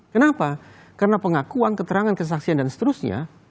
kenapa karena pengakuan keterangan kesaksian dan seterusnya